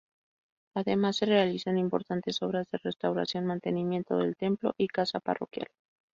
Además, se realizan importantes obras de restauración y mantenimiento del Templo y Casa parroquial.